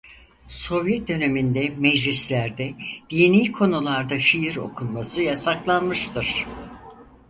Sovyet döneminde meclislerde dini konularda şiir okunması yasaklanmıştır.